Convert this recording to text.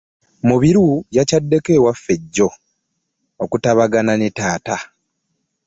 Mubiru yakyaddeko ewaffe jjo okutabagana ne taata.